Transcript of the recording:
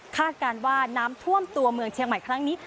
การว่าน้ำท่วมตัวเมืองเชียงใหม่ครั้งนี้